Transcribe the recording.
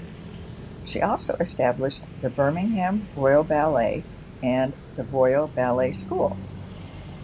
She also established the Birmingham Royal Ballet and the Royal Ballet School.